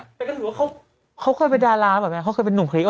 แต่ก็ถือว่าเขาเคยเป็นดาราแบบไหมเขาเคยเป็นนุ่มคลิก